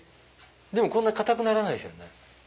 でもこんな硬くならないですよね。